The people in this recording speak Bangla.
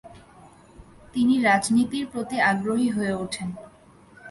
তিনি রাজনীতির প্রতি আগ্রহী হয়ে উঠেন।